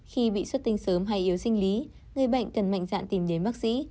khi bị xuất tinh sớm hay yếu sinh lý người bệnh cần mạnh dạn tìm đến bác sĩ